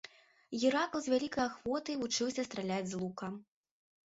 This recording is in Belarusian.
Геракл з вялікай ахвотай вучыўся страляць з лука.